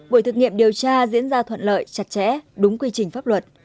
buổi thực nghiệm điều tra diễn ra thuận lợi chặt chẽ đúng quy trình pháp luật